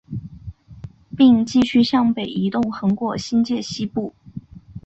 并继续向北移动横过新界西部。